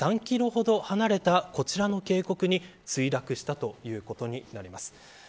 しかしそこから３キロほど離れたこちらの渓谷に墜落したということになります。